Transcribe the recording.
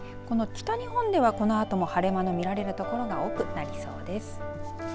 北日本ではこのあとも晴れ間の見られる所が多くなりそうです。